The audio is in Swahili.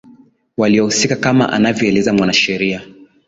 waliohusika kama anavyoeleza mwanasheria